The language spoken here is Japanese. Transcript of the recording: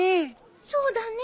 そうだね。